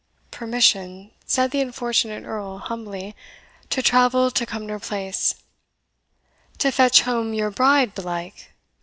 "Permission," said the unfortunate Earl humbly, "to travel to Cumnor Place." "To fetch home your bride belike?